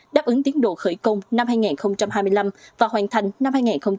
đáp ứng tiến độ khởi công năm hai nghìn hai mươi năm và hoàn thành năm hai nghìn hai mươi năm